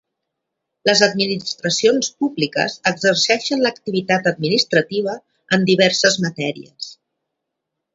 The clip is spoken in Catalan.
Les administracions públiques exerceixen l'activitat administrativa en diverses matèries.